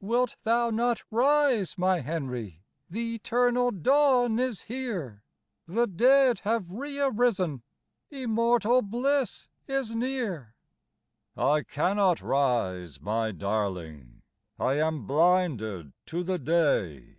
"Wilt thou not rise, my Henry? The eternal dawn is here; The dead have re arisen, Immortal bliss is near." "I cannot rise, my darling, I am blinded to the day.